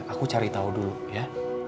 aku cari tahu dulu ya